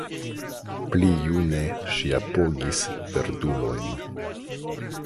Pli june ŝi apogis verdulojn.